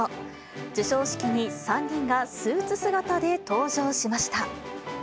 授賞式に３人がスーツ姿で登場しました。